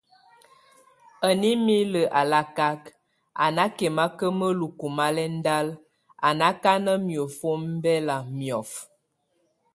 A nʼ émil alakak, a nákɛmaka mueluku malɛndal a nákana miɔfi ombɛl miɔfɛ.